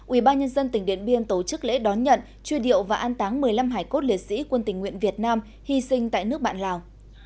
ubnd tỉnh điện biên tổ chức lễ đón nhận truy điệu và an táng một mươi năm hải cốt liệt sĩ quân tình nguyện việt nam hy sinh tại nước bạn lào